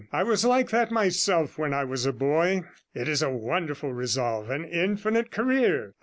I was like that myself when I was a boy. It is a wonderful resolve, an infinite career.